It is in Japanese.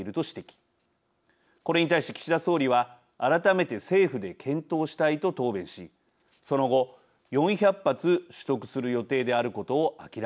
これに対し岸田総理は改めて政府で検討したいと答弁しその後４００発取得する予定であることを明らかにしました。